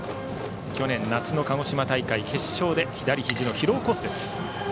去年夏の鹿児島大会決勝で左ひじを疲労骨折。